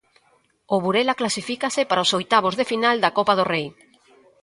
O Burela clasifícase para os oitavos de final da Copa do Rei.